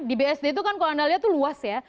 di bsd itu kan kolonialnya itu luas ya